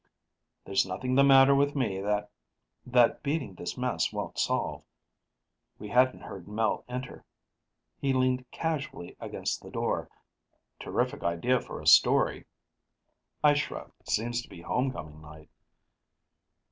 "There's nothing the matter with me that " "That beating this mess won't solve." We hadn't heard Mel enter. He leaned casually against the door. "Terrific idea for a story." I shrugged. "Seems to be homecoming night."